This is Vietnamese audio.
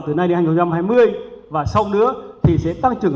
từ nay đến hai nghìn hai mươi năm hai nghìn hai mươi và sau nữa thì sẽ tăng trưởng